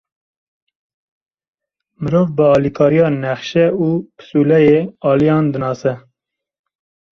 Mirov, bi alîkariya nexşe û pisûleyê aliyan dinase.